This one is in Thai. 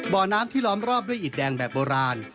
บ่อน้ำที่ล้อมรอบด้วยอิดแดงแบบโบราณ